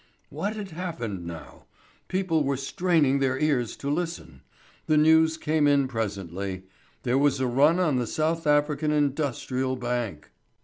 What had happened now? People were straining their ears to listen. The news came in presently. There was a run on the South African Industrial Bank!